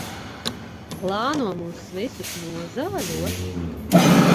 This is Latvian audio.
Plāno mūs visus nozāļot?